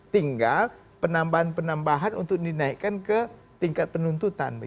tinggal penambahan penambahan untuk dinaikkan ke tingkat penuntutan